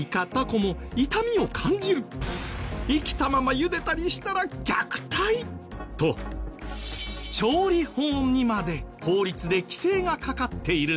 生きたままゆでたりしたら虐待と調理法にまで法律で規制がかかっているんです。